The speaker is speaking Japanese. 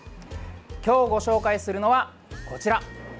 今日ご紹介するのは、こちら。